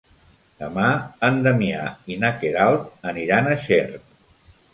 Demà en Damià i na Queralt aniran a Xert.